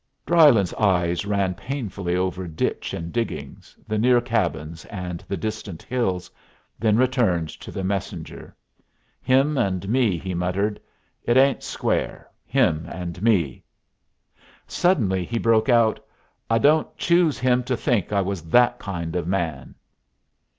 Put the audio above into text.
Drylyn's eyes ran painfully over ditch and diggings, the near cabins and the distant hills, then returned to the messenger. "Him and me," he muttered. "It ain't square. Him and me " Suddenly he broke out, "I don't choose him to think I was that kind of man!"